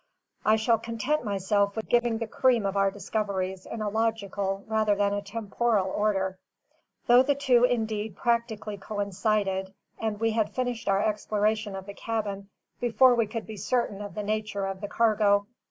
I shall content myself with giving the cream of our discoveries in a logical rather than a temporal order; though the two indeed practically coincided, and we had finished our exploration of the cabin, before we could be certain of the nature of the cargo.